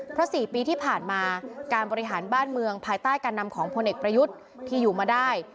เพราะ๔ปีที่ผ่านมาการบริหารบ้านเมืองภายใต้การนำของพลเอกประยุทธ์ที่อยู่มาได้